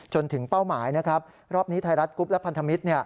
จนถึงเป้าหมายรอบนี้ไทยรัฐกรุ๊ปและพันธมิตร